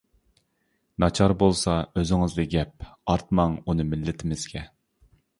ناچار بولسا ئۆزىڭىزدە گەپ، ئارتماڭ ئۇنى مىللىتىمىزگە.